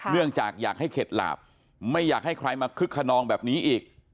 เนื่องจากอยากให้เข็ดหลาบไม่อยากให้ใครมาคึกขนองแบบนี้อีก